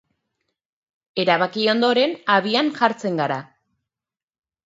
Erabaki ondoren, abian jartzen gara.